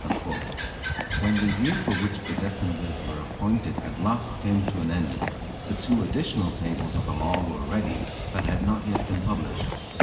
_" When the year for which the decemvirs were appointed at last came to an end, the two additional tables of the law were ready, but had not yet been published.